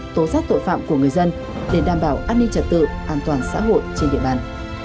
tố giác tội phạm của người dân để đảm bảo an ninh trật tự an toàn xã hội trên địa bàn